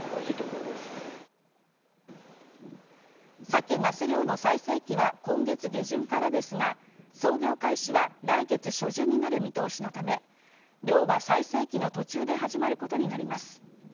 サケ・マス漁の最盛期は今月下旬からですが操業開始は来月初旬になる見通しのため漁は最盛期の途中で始まることになります。